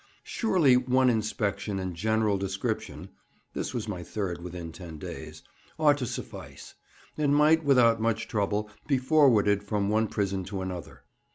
Surely one inspection and general description (this was my third within ten days) ought to suffice, and might without much trouble be forwarded from one prison to another.